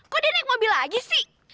kok dia naik mobil lagi sih